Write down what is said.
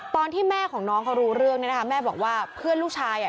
ตอนที่แม่ของน้องเขารู้เรื่องเนี่ยนะคะแม่บอกว่าเพื่อนลูกชาย